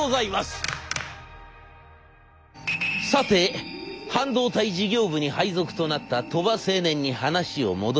さて半導体事業部に配属となった鳥羽青年に話を戻しましょう。